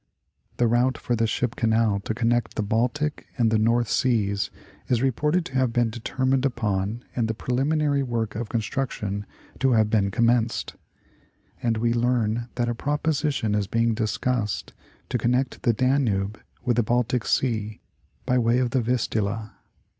The route for the ship canal to connect the Baltic and the North Seas, is reported to have been determined upon and the' preliminary work of construction to have been commenced. And we learn that a proposition is being discussed to connect the Danube with the Baltic Sea by way of the Vistula.